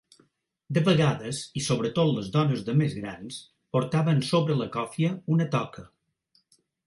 De vegades i sobretot les dones de més grans portaven sobre la còfia una toca.